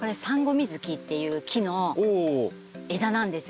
ミズキという木の枝なんですよ。